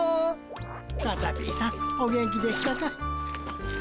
カタピーさんお元気でしたか。